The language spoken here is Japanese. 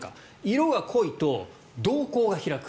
色が濃いと、瞳孔が開く。